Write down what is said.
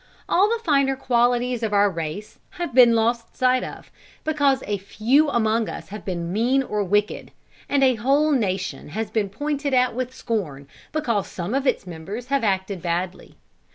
All the finer qualities of our race have been lost sight of, because a few among us have been mean or wicked; and a whole nation has been pointed at with scorn, because some of its members have acted badly.